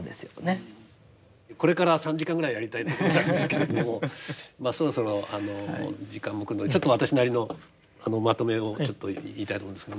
これから３時間ぐらいやりたいところなんですけれどもまあそろそろ時間も来るのでちょっと私なりのまとめをちょっと言いたいと思うんですけどもね。